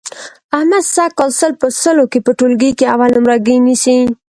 احمد سږ کال سل په سلو کې په ټولګي کې اول نمرګي نیسي.